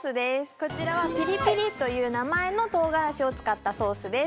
こちらは「ピリピリ」という名前の唐辛子を使ったソースです